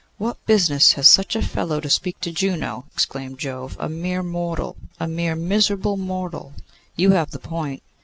'What business has such a fellow to speak to Juno?' exclaimed Jove. 'A mere mortal, a mere miserable mortal! You have the point.